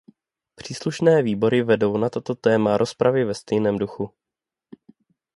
Příslušné výbory vedou na toto téma rozpravy ve stejném duchu.